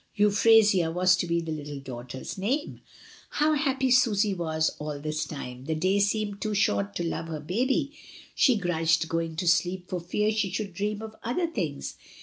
Euphrasia was to be the little daughter's name. How happy Susy was all this time; the day seemed too short to love her baby, she grudged going to sleep for fear she should dream of other things.